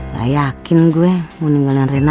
gak yakin gue mau ninggalin rena